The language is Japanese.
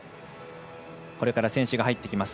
これから選手が入ってきます。